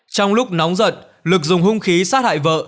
trong lúc nóng giận lực dùng hung khí sát hại vợ